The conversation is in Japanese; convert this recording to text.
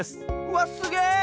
わっすげえ！